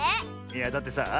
いやだってさあ